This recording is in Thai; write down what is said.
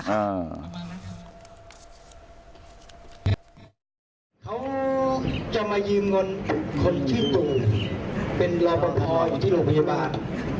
เขาจะมายืมเงินคนชื่อตู่เป็นราวประทออยู่ที่โรงพยาบาล